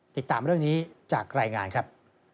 ติดตามเรื่องนี้จากรายงานครับ